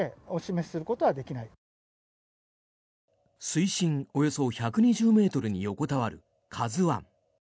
水深およそ１２０ｍに横たわる「ＫＡＺＵ１」。